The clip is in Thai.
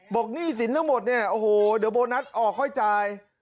หนี้สินทั้งหมดเนี่ยโอ้โหเดี๋ยวโบนัสออกค่อยจ่าย